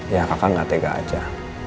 ya kakak gak tega aja